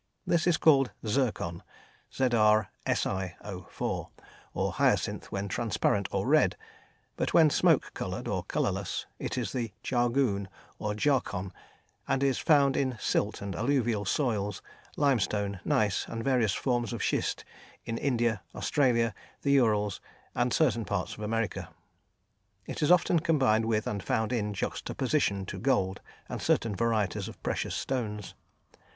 This is called zircon, ZrSiO_, or hyacinth when transparent or red, but when smoke coloured, or colourless, it is the jargoon, or jarcon, and is found in silt and alluvial soils, limestone, gneiss, and various forms of schist, in India, Australia, the Urals, and certain parts of America. It is often combined with and found in juxtaposition to gold and certain varieties of precious stones.